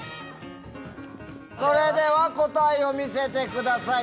それでは答えを見せてください。